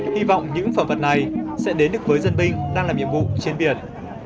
hy vọng những phẩm vật này sẽ đến đức với dân binh đang làm nhiệm vụ trên biển